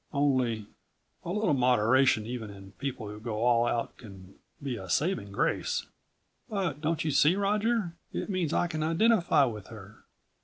Only ... a little moderation even in people who go all out can be a saving grace." "But don't you see, Roger? It means I can identify with her.